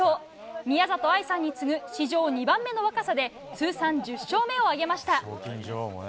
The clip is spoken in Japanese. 宮里藍さんに次ぐ史上２番目の若さで通算１０勝目を挙げました。